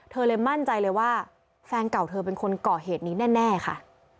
เลยมั่นใจเลยว่าแฟนเก่าเธอเป็นคนก่อเหตุนี้แน่ค่ะ